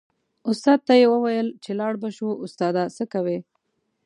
استاد ته یې و ویل چې لاړ به شو استاده څه کوې.